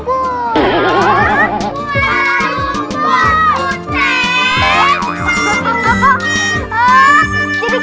kuali lumpur ustaz